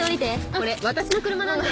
これ私の車なので。